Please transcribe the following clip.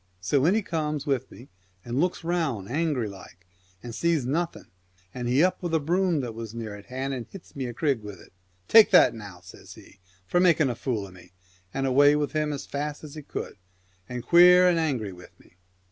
So in he comes with me and looks round angry like and sees nothing, and he up with a broom that was near hand and hits me a crig with it. "Take that now!" says he, "for making a fool of me !" and away with him as fast as he could, and queer and angry with me.